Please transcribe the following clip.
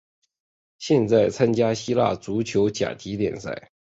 现在参加希腊足球甲级联赛。